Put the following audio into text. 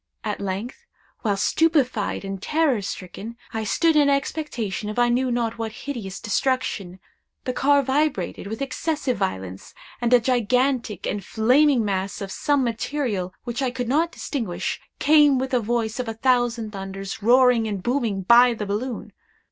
At length, while, stupefied and terror stricken, I stood in expectation of I knew not what hideous destruction, the car vibrated with excessive violence, and a gigantic and flaming mass of some material which I could not distinguish, came with a voice of a thousand thunders, roaring and booming by the balloon.